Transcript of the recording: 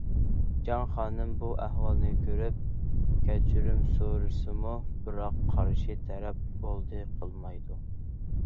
جاڭ خانىم بۇ ئەھۋالنى كۆرۈپ كەچۈرۈم سورىسىمۇ، بىراق قارشى تەرەپ بولدى قىلمايدۇ.